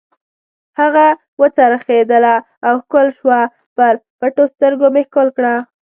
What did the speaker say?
هغه و څرخېدله او ښکل شوه، پر پټو سترګو مې ښکل کړه.